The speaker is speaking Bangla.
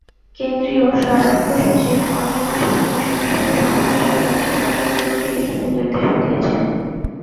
কেন্দ্রীয় স্বরাষ্ট্রসচিব অনিল গোস্বামী এসব বিষয়ে সংশ্লিষ্ট রাজ্য সরকারগুলোকে লিখিত নির্দেশও দিয়েছেন।